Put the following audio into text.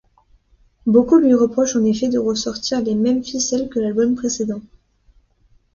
Beaucoup lui reprochent en effet de ressortir les mêmes ficelles que l'album précédent.